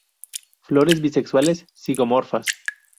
Flores bisexuales, zigomorfas.